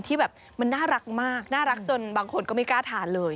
ที่แบบมันน่ารักมากน่ารักจนบางคนก็ไม่กล้าทานเลย